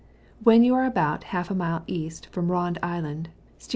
When you are about half a mile east from Rond Island, steer N.